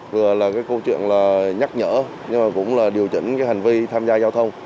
vừa là cái câu chuyện là nhắc nhở nhưng mà cũng là điều chỉnh cái hành vi tham gia giao thông